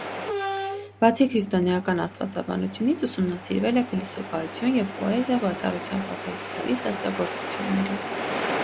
Բացի քրիստոնեական աստվածաբանությունից, ուսումնասիրվել է փիլիսոփայություն և պոեզիա, բացառությամբ «աթեիստների» ստեղծագործությունների։